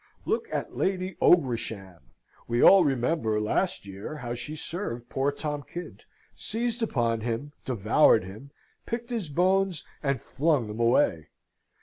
Look at Lady Ogresham! We all remember, last year, how she served poor Tom Kydd: seized upon him, devoured him, picked his bones, and flung them away.